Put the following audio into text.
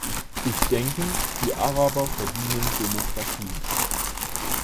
Ich denke, die Araber verdienen Demokratie.